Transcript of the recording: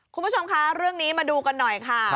คุณผู้ชมคะเรื่องนี้มาดูกันหน่อยค่ะ